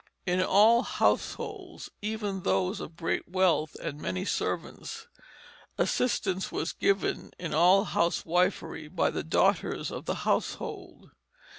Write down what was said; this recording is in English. In all households, even in those of great wealth and many servants, assistance was given in all housewifery by the daughters of the household.